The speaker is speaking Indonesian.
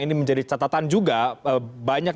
ini menjadi catatan juga banyak